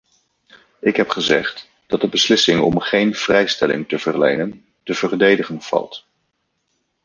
Ik heb gezegd dat de beslissing om geen vrijstelling te verlenen te verdedigen valt.